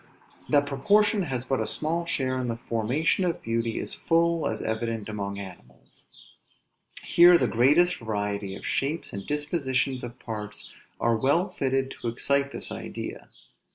That proportion has but a small share in the formation of beauty is full as evident among animals. Here the greatest variety of shapes and dispositions of parts are well fitted to excite this idea.